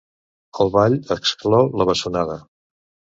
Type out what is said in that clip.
El ball exclou la bessonada.